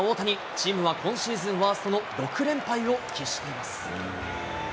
チームは今シーズンワーストの６連敗を喫しています。